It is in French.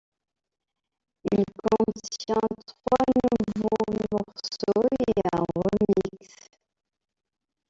Il contient trois nouveau morceau et un remix.